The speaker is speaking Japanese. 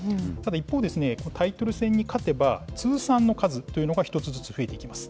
一方、タイトル戦に勝てば、通算の数というのが一つずつ増えていきます。